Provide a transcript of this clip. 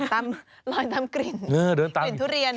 ตามรอยตามกลิ่นกลิ่นทุเรียน